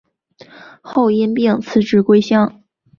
后因病辞职归乡。